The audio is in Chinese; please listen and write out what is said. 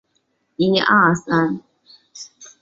这对双胞胎姐妹都是公开的同性恋者。